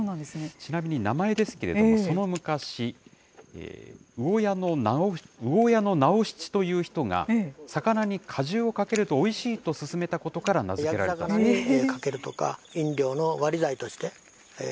ちなみに名前ですけれども、その昔、魚屋の直七という人が、魚に果汁をかけるとおいしいと勧めたことから名付けられたそうです。